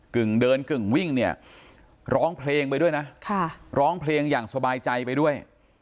กึ่งเดินกึ่งวิ่งเนี่ยร้องเพลงไปด้วยนะร้องเพลงอย่างสบายใจไปด้วย